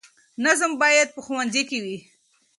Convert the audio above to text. نظم باید په ښوونځي کې وي.